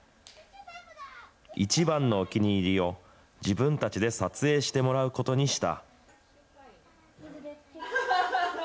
一番のお気に入りを自分たちで撮影してもらうことにした。